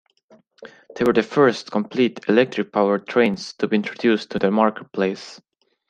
They were the first complete electric-powered trains to be introduced to the marketplace.